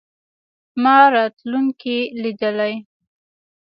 ما راتلونکې لیدلې.